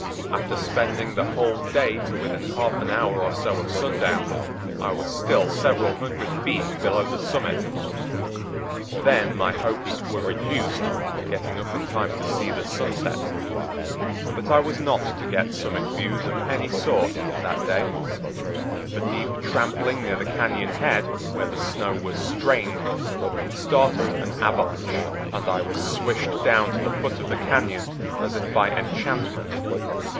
After spending the whole day to within half an hour or so of sundown, I was still several hundred feet below the summit. Then my hopes were reduced to getting up in time to see the sunset. But I was not to get summit views of any sort that day, for deep trampling near the cañon head, where the snow was strained, started an avalanche, and I was swished down to the foot of the cañon as if by enchantment.